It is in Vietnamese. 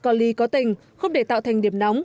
còn ly có tình không để tạo thành điểm nóng